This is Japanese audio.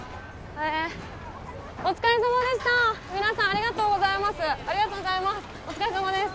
ありがとうございます。